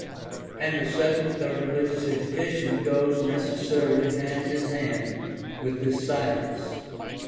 And the subject of religious education goes necessarily hand in hand with this science.